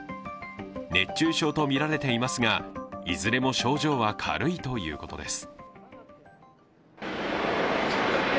熱中症とみられていますが、いずれも症状は軽いということです。